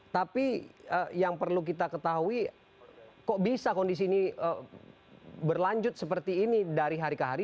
tapi yang perlu kita ketahui kok bisa kondisi ini berlanjut seperti ini dari hari ke hari